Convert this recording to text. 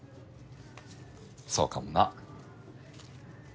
そうかもな。